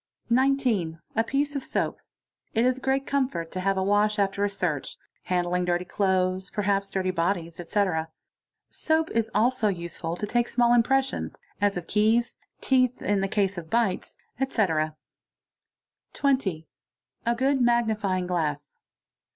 _ 19. A piece of soap. It isa great comfort to have a wash after a search, handling dirty clothes, perhaps dirty bodies, etc. Soap is also | useful to take small impressions, as of keys, teeth (in case of bites), etc. | 20. A good magnifying glass.